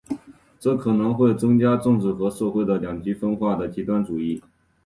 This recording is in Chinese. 这可能会增加政治和社会的两极分化和极端主义。